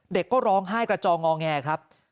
เด็กก็ร้องไห้กระจองงอแงครับ